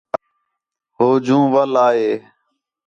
ہو جوں وَل آ ہے